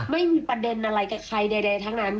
ไม่มีประเด็นอะไรกับใครใดทั้งนั้น